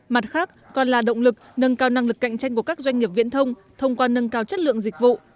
mặt khác còn là động lực nâng cao năng lực cạnh tranh của các doanh nghiệp viễn thông thông qua nâng cao chất lượng dịch vụ